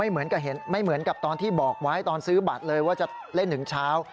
เหมือนกับไม่เหมือนกับตอนที่บอกไว้ตอนซื้อบัตรเลยว่าจะเล่นถึงเช้า